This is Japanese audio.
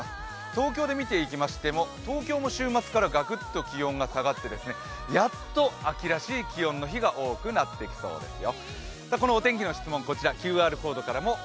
東京で見ていきましても、東京も週末からガクッと気温が下がってやっと秋らしい気温の日が多くなってきそうですよ。